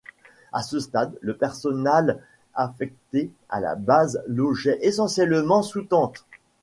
À ce stade, le personnal affecté à la base logeait essentiellement sous tentes.